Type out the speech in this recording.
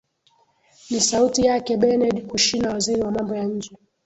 ni sauti yake benerd kushina waziri wa mambo ya nje